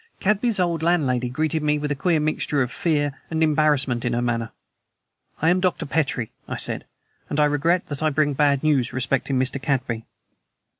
Cadby's old landlady greeted me with a queer mixture of fear and embarrassment in her manner. "I am Dr. Petrie," I said, "and I regret that I bring bad news respecting Mr. Cadby."